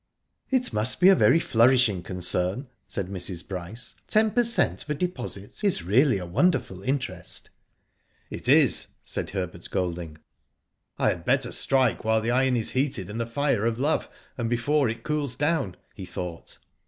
"It must be a very flourishing concern," said Mrs. Bryce. "Ten per cent, for deposits is really a wonderful interest.'* "It is," said Herbert Golding. "I had better strike while the iron is heated in the fire of love, and before it cools down," he thought.